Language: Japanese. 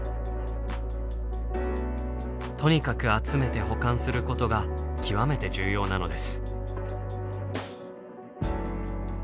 とにかく集めて保管することが極めて重要なのです。